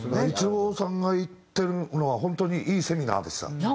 一郎さんが言ってるのは本当にいいセミナーでした。